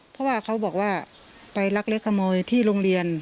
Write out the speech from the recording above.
เพราะว่าเขาบอกว่าไปรักเล็กขโมยที่โรงเรียน